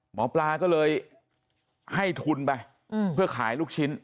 หมอปลาก็เลยให้ทุนไปเพื่อขายลูกชิ้น